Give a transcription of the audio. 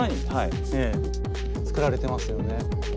作られてますよね。